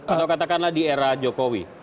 atau katakanlah di era jokowi